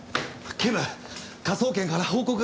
警部科捜研から報告が来ました。